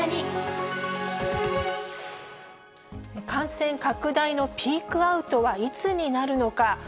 感染拡大のピークアウトは、いつになるのか。